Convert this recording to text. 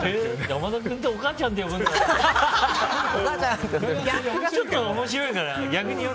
山田君ってお母ちゃんって呼ぶんだってちょっと面白いかな。